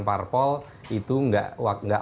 parpol itu tidak